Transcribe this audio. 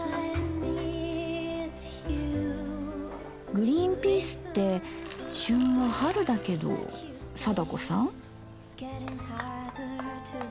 グリーンピースって旬は春だけど貞子さん？